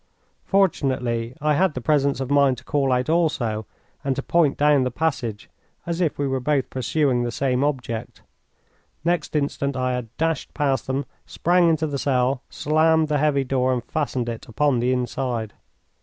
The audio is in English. Fortunately I had the presence of mind to call out also, and to point down the passage as if we were both pursuing the same object. Next instant I had dashed past them, sprang into the cell, slammed the heavy door, and fastened it upon the inside.